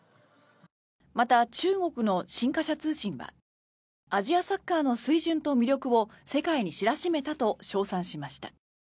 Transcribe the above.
また、中国の新華社通信はアジアサッカーの水準と魅力を世界に知らしめたと称賛しました。